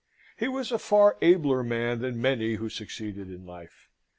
He was a far abler man than many who succeeded in life.